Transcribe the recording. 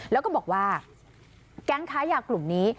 แล้วก็บอกว่าแก๊งค้ายากลุ่มนี้